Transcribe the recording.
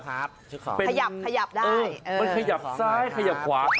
มันขยับซ้ายขยับขวา